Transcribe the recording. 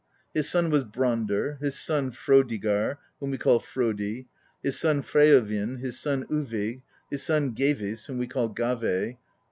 His son was Brandr, his son Frjodigar (whom we call Frodi), his son Freovin, his son Uvigg, his son Gevis (whom we call Gave).